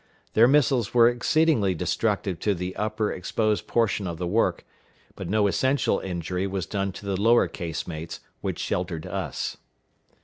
Their missiles were exceedingly destructive to the upper exposed portion of the work, but no essential injury was done to the lower casemates which sheltered us.